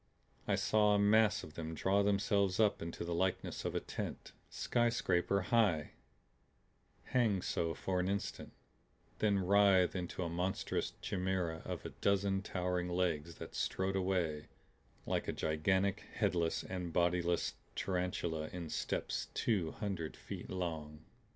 I saw a mass of them draw themselves up into the likeness of a tent skyscraper high; hang so for an instant, then writhe into a monstrous chimera of a dozen towering legs that strode away like a gigantic headless and bodiless tarantula in steps two hundred feet long.